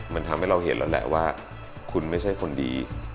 มันทำให้เราเห็นแล้วแหละว่าคุณไม่ใช่คนดี